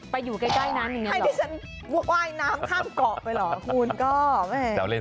ไปอยู่ใกล้นั้น